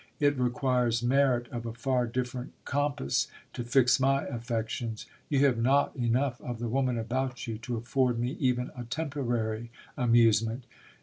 It requires merit of a far different com pass to fix my affections. You have not enough of the woman about you to afford me even a temporary amusement.